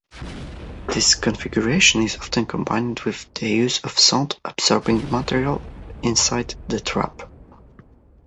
This configuration is often combined with the use of sound-absorbing material inside the trap.